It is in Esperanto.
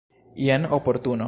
Jen oportuno.